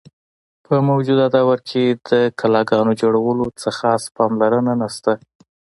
په موجوده دور کښې د قلاګانو جوړولو څۀ خاص پام لرنه نشته۔